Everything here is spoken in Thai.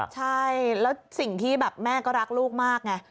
ใช่แล้วสิ่งที่แบบแม่ก็รักลูกมากไง